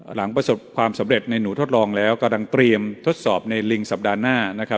หลังประสบความสำเร็จในหนูทดลองแล้วกำลังเตรียมทดสอบในลิงสัปดาห์หน้านะครับ